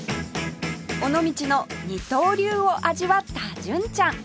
尾道の二刀流を味わった純ちゃん